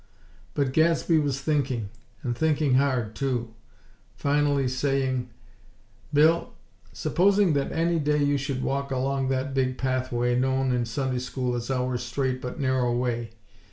But Gadsby was thinking and thinking hard, too. Finally saying: "Bill, supposing that any day you should walk along that big Pathway known in Sunday School as 'Our Straight But Narrow Way.'